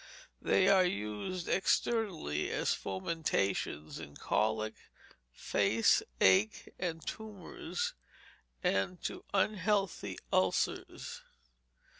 They are used externally as fomentations, in colic, faceache, and tumours, and to unhealthy ulcers.